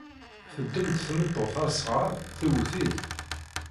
Teddem-d tmeṭṭut asɣar, tewwet-it.